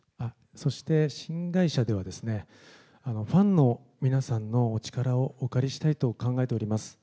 そして、新会社ではですね、ファンの皆さんのお力をお借りしたいと考えております。